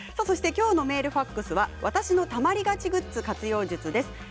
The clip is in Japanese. きょうのメール、ファックスは私のたまりがちグッズ活用術です。